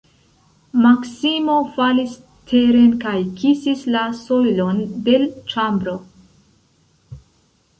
Maksimo falis teren kaj kisis la sojlon de l' ĉambro.